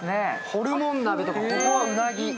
ホルモン鍋とか、ここはうなぎ。